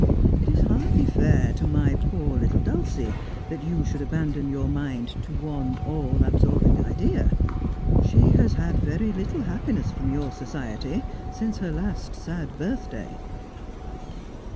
It is hardly fair to my poor little Dulcie that you should abandon your mind to one all absorbing idea. She has had very little happi ness from your society since her last sad birthday.'